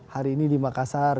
hari ini di makassar